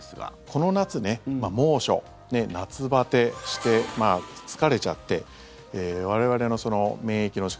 この夏、猛暑夏バテして疲れちゃって我々の免疫の力